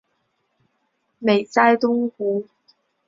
美哉东湖！